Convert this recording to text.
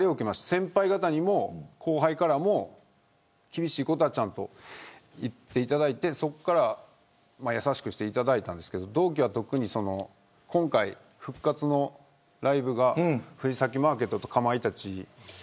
先輩方にも後輩からも厳しいことはちゃんと言っていただいてそこからは優しくしていただいたんですが同期は特に今回復活のライブが藤崎マーケットと、かまいたち。